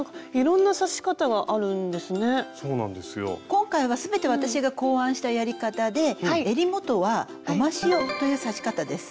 今回は全て私が考案したやり方でえり元は「ゴマシオ」という刺し方です。